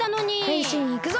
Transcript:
へんしんいくぞ！